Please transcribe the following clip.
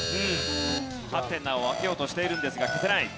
ハテナを開けようとしてるんですが消せない。